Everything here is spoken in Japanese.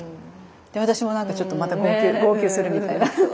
で私もなんかちょっとまた号泣するみたいな。